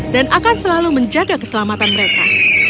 dan akan selalu menjaga keselamatan mereka